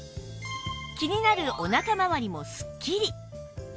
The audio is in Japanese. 気になるおなかまわりもスッキリ